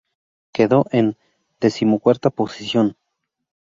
Quedó en decimocuarta posición.